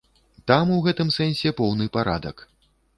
Там у гэтым сэнсе поўны парадак.